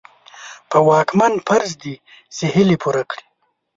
په واکمن فرض دي چې هيلې پوره کړي.